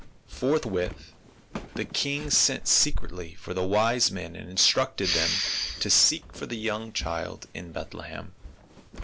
Forthwith the king sent secretly for the wise men and instructed them to seek for the young child in Bethlehem.